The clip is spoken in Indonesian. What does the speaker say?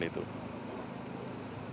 untuk mencari itu